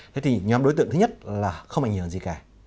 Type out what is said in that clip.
thế thì nhóm đối tượng thứ nhất là không ảnh hưởng gì cả